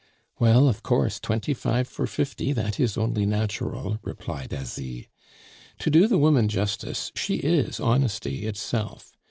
"Well, of course, twenty five for fifty, that is only natural," replied Asie. "To do the woman justice, she is honesty itself.